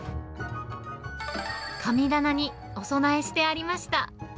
神棚にお供えしてありました。